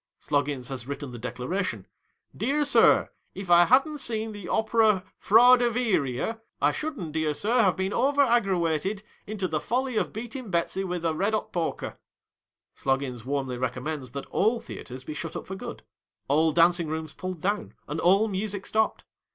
Sloggins has written the declaration, " Dear Sir if i hadn seen the oprer Frardeaverler i shotildn dear Sir have been overaggrawated into the folli of beatin Betsey with a redot poker." Sloggins warmly recommends that all Theatres be shut up for good, all Dancing Rooms pulled down, and all music stopped.